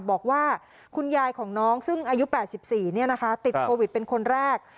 บอกว่าคุณยายของน้องซึ่งอายุ๘๔ติดโควิดเป็นคนแรก